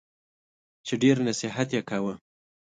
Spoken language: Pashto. چي ډېر نصیحت یې کاوه !